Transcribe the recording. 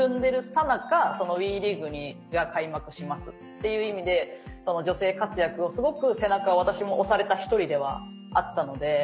さなかＷＥリーグが開幕しますっていう意味で女性活躍をすごく背中を私も押された１人ではあったので。